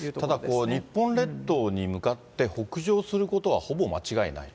ただ、日本列島に向かって北上することはほぼ間違いないと。